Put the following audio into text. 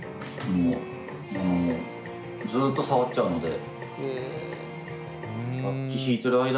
ずっと触っちゃうので。